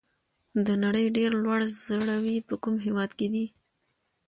د نړۍ ډېر لوړ ځړوی په کوم هېواد کې دی؟